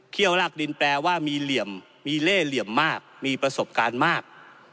ลากดินแปลว่ามีเหลี่ยมมีเล่เหลี่ยมมากมีประสบการณ์มาก